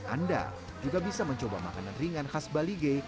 anda juga bisa mencoba makanan ringan khas balige